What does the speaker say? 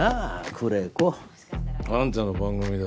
久連木。あんたの番組だ。